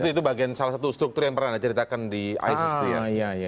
itu bagian salah satu struktur yang pernah anda ceritakan di isis itu ya